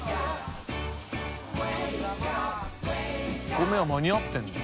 米は間に合ってるの？